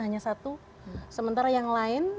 hanya satu sementara yang lain